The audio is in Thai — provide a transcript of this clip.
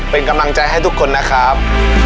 เป็นกำลังใจให้ทุกคนนะครับ